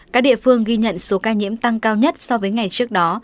các địa phương ghi nhận số ca nhiễm tăng cao nhất so với ngày trước đó